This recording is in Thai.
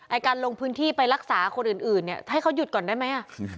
ไอ้การลงพื้นที่ไปรักษาคนอื่นให้เขาหยุดก่อนได้มั้ย